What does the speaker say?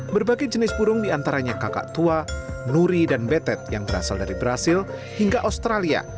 berbagai jenis burung diantaranya kakak tua nuri dan betet yang berasal dari brazil hingga australia